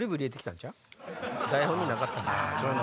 台本になかったもの。